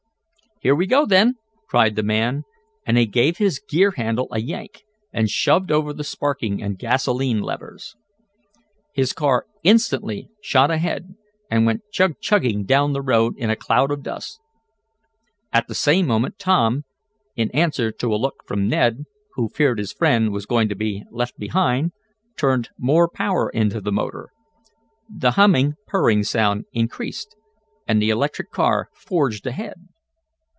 "Here we go then!" cried the man, and he gave his gear handle a yank, and shoved over the sparking and gasolene levers. His car instantly shot ahead, and went "chug chugging" down the road in a cloud of dust. At the same moment Tom, in answer to a look from Ned, who feared his friend was going to be left behind, turned more power into the motor. The humming, purring sound increased and the electric car forged ahead.